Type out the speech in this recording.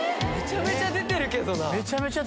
めちゃめちゃ出てるけどな。